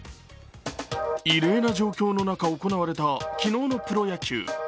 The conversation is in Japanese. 異例な状況の中、行われた昨日のプロ野球。